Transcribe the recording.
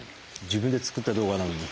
自分で作った動画なのに。